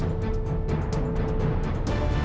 eh sekarang aku nyemain ini nya